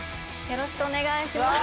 よろしくお願いします。